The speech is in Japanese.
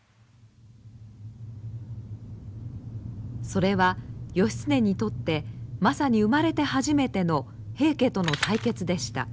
それは義経にとってまさに生まれて初めての平家との対決でした。